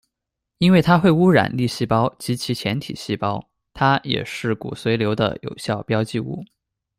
因为它会污染粒细胞及其前体细胞，它也是骨髓瘤的有效标记物。